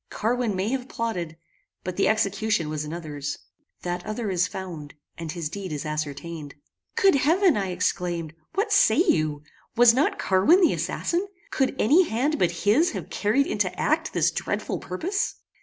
Carwin may have plotted, but the execution was another's. That other is found, and his deed is ascertained." "Good heaven!" I exclaimed, "what say you? Was not Carwin the assassin? Could any hand but his have carried into act this dreadful purpose?"